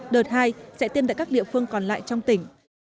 đợt hai sẽ tiêm tại các địa phương còn lại trong tỉnh